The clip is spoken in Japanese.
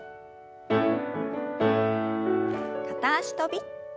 片脚跳び。